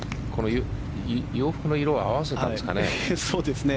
洋服の色を合わせたんですかね。